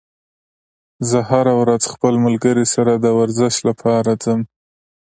زه هره ورځ خپل ملګري سره د ورزش لپاره ځم